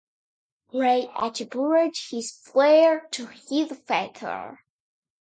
Ray attributed his flair to his father.